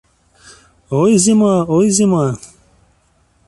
Ой, зіма, ой, зіма!